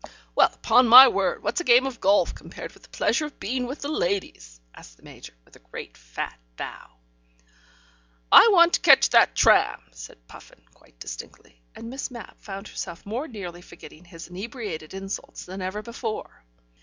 "Well, upon my word, what's a game of golf compared with the pleasure of being with the ladies?" asked the Major, with a great fat bow. "I want to catch that tram," said Puffin quite distinctly, and Miss Mapp found herself more nearly forgetting his inebriated insults than ever before.